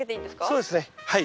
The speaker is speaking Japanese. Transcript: そうですねはい。